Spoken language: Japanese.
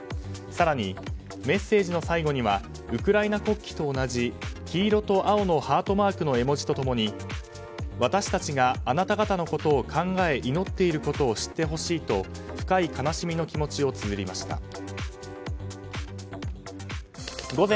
更に、メッセージの最後にはウクライナ国旗と同じ黄色と青のハートマークの絵文字と共に私たちが、あなた方のことを考え祈っていることを知ってほしいと深い悲しみの気持ちをつづりました。